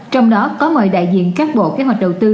trong đó có mời đại diện các bộ kế hoạch đầu tư